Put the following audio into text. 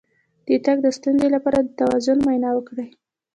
د تګ د ستونزې لپاره د توازن معاینه وکړئ